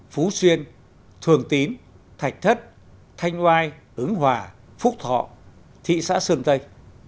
phú xuyên thường tín thạch thất thanh oai ứng hòa phúc thọ thị xã sơn tây